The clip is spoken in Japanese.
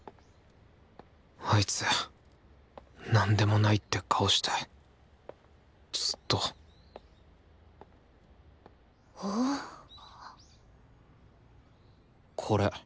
あいつなんでもないって顔してずっとこれ。